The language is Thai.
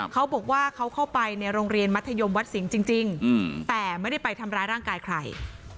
เขาบอกว่าเขาเข้าไปในโรงเรียนมัธยมวัดสิงห์จริงแต่ไม่ได้ไปทำร้ายร่างกายใคร